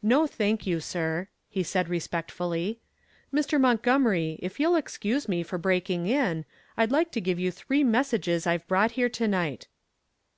"No, thank you, sir," he said, respectfully. "Mr. Montgomery, if you'll excuse me for breaking in, I'd like to give you three messages I've brought here to night."